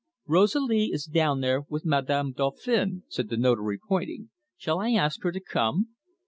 "Rosalie is down there with Madame Dauphin," said the Notary, pointing. "Shall I ask her to come?"